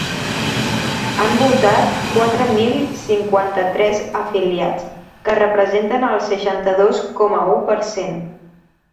Han votat quatre mil cinquanta-tres afiliats, que representen el seixanta-dos coma u per cent.